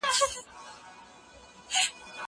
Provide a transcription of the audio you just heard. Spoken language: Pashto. که وخت وي، نان خورم؟!